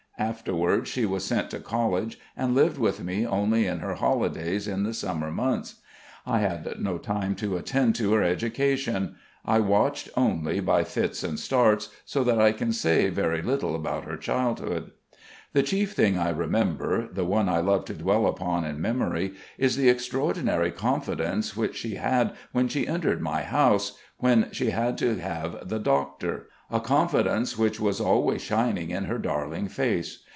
Afterwards she was sent to College and lived with me only in her holidays in the summer months. I had no time to attend to her education. I watched only by fits and starts; so that I can say very little about her childhood. The chief thing I remember, the one I love to dwell upon in memory, is the extraordinary confidence which she had when she entered my house, when she had to have the doctor, a confidence which was always shining in her darling face.